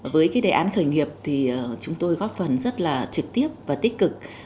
với đề án khởi nghiệp chúng tôi góp phần rất trực tiếp và tích cực